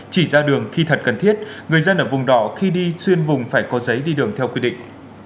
chỉ ra đường khi thật cần thiết người dân ở vùng đỏ khi đi xuyên vùng phải có giấy đi đường theo quy định